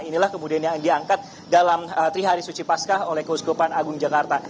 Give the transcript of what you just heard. inilah kemudian yang diangkat dalam trihari suci pascah oleh keuskupan agung jakarta